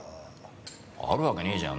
あるわけねえじゃん